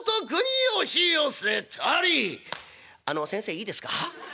「あの先生いいですか？